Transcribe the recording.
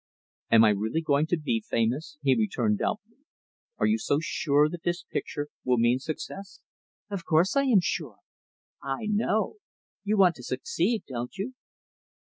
"Am I really going to be famous?" he returned doubtfully. "Are you so sure that this picture will mean success?" "Of course I am sure I know. You want to succeed don't you?"